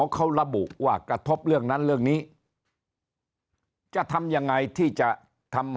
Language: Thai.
เขาระบุว่ากระทบเรื่องนั้นเรื่องนี้จะทำยังไงที่จะทำ